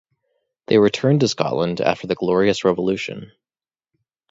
They returned to Scotland after the Glorious Revolution.